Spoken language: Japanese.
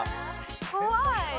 怖い！